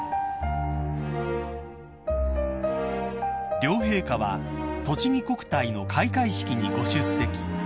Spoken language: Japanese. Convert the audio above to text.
［両陛下はとちぎ国体の開会式にご出席］